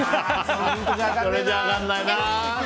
それじゃ分からないな。